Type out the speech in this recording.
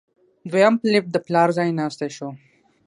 دویم فلیپ د پلار ځایناستی شو.